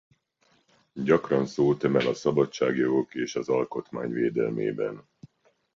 Gyakran szót emel a szabadságjogok és az alkotmány védelmében.